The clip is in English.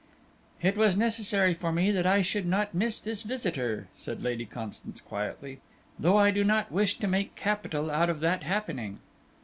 "It was necessary for me that I should not miss this visitor," said Lady Constance, quietly, "though I do not wish to make capital out of that happening."